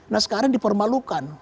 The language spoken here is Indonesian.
nah sekarang dipermalukan